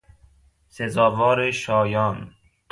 سزاوار شایان